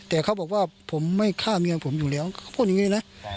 แต่เขาบอกว่าผมไม่ฆ่าเมียผมอยู่แล้วเขาพูดอย่างนี้เลยนะ